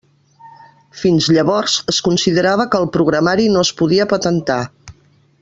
Fins llavors, es considerava que el programari no es podia patentar.